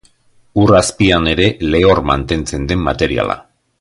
Ur azpian ere lehor mantentzen den materiala.